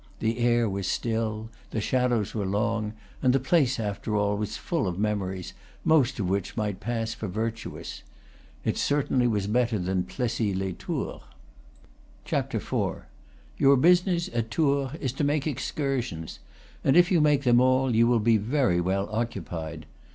The air was still, the shadows were long, and the place, after all, was full of memories, most of which might pass for virtuous. It certainly was better than Plessis les Tours. IV. Your business at Tours is to make excursions; and if you make them all, you will be very well occupied.